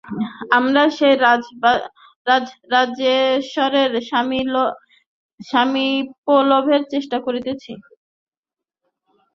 আমরা সেই রাজরাজেশ্বরের সামীপ্যলাভের চেষ্টা করিতেছি।